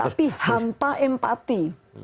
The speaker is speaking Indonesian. tapi hampa empati